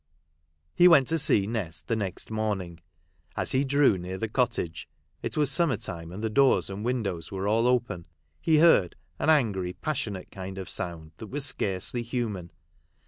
He went to see Nest the next morning. As he drew near the cottage — it was summer time, and the doors and windows were all open — he heard an angry, passionate kind of sound that was scarcely human.